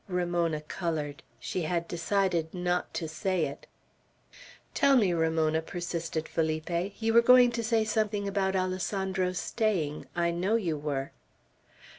Ramona colored. She had decided not to say it. "Tell me, Ramona," persisted Felipe. "You were going to say something about Alessandro's staying; I know you were."